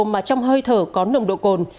mà trong hơi thở có nồng độ cồn